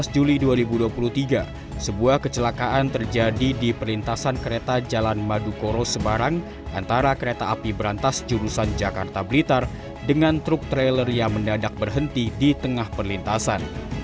dua belas juli dua ribu dua puluh tiga sebuah kecelakaan terjadi di perlintasan kereta jalan madukoro sebarang antara kereta api berantas jurusan jakarta blitar dengan truk trailer yang mendadak berhenti di tengah perlintasan